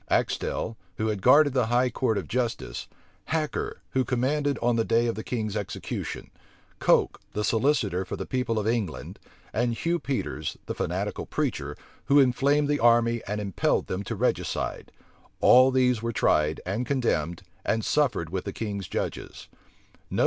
Axtel, who had guarded the high court of justice, Hacker, who commanded on the day of the king's execution, Coke, the solicitor for the people of England, and Hugh Peters, the fanatical preacher, who inflamed the army and impelled them to regicide; all these were tried, and condemned, and suffered with the king's judges.